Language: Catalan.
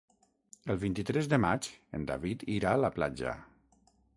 El vint-i-tres de maig en David irà a la platja.